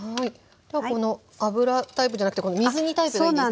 この油タイプじゃなくてこの水煮タイプがいいんですね？